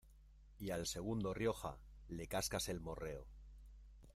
y al segundo Rioja, le cascas el morreo.